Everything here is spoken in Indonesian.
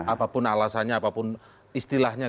apapun alasannya apapun istilahnya